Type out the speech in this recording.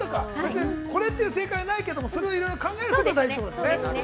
別に、これっていう正解はないけども、それをいろいろ考えることが大事ということですね。